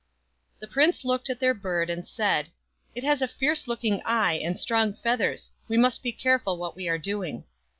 The Prince looked at their bird and said, " It has a fierce looking eye and strong feathers. We must be careful what we are doing."